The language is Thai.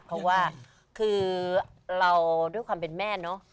เพราะว่าคือเราด้วยความเป็นแม่เนอะ